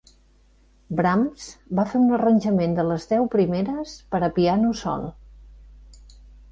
Brahms va fer un arranjament de les deu primeres per a piano sol.